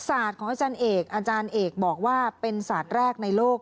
อาจารย์เอกบอกว่าเป็นศาสตร์แรกในโรค